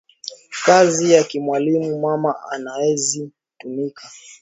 Kazi ya ki mwalimu mama anezi tumika